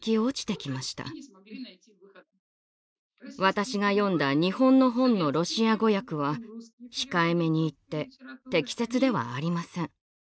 私が読んだ日本の本のロシア語訳は控えめに言って適切ではありません。